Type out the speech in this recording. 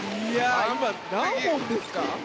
今、何本ですか？